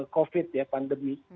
covid ya pandemi